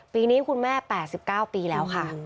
ปีนี้คุณแม่๘๙ปีแล้วค่ะ